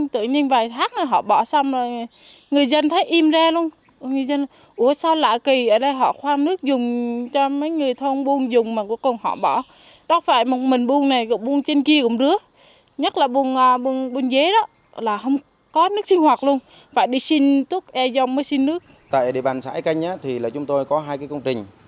tại địa bàn xã e canh chúng tôi có hai công trình